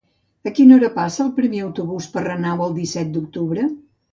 A quina hora passa el primer autobús per Renau el disset d'octubre?